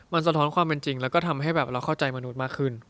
มันสะท้อนความเป็นจริงแล้วก็ทำให้แบบเราเข้าใจมนุษย์มากขึ้น